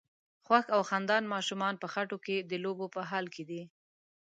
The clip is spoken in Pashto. خوښ او خندان ماشومان په خټو کې د لوبو په حال کې دي.